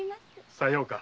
さようか。